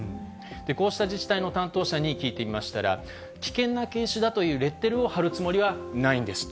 こうした自治体の担当者に聞いてみましたら、危険な犬種だというレッテルを張るつもりはないんです。